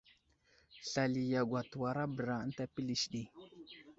Slali yagwa təwarabəra ənta pəlis ɗi.